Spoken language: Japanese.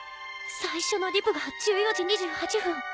最初のリプが１４時２８分。